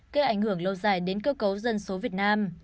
gây ảnh hưởng lâu dài đến cơ cấu dân số việt nam